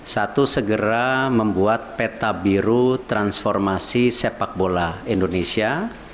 satu segera membuat peta biru transformasi sepak bola indonesia